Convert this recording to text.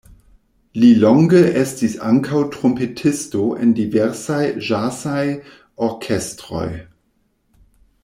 Li longe estis ankaŭ trumpetisto en diversaj ĵazaj orkestroj.